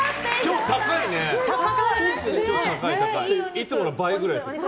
いつもの倍くらいする。